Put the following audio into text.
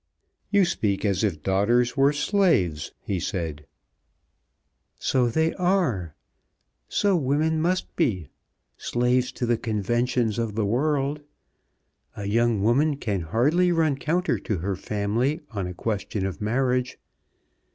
"You speak as if daughters were slaves," he said. "So they are. So women must be; slaves to the conventions of the world. A young woman can hardly run counter to her family on a question of marriage.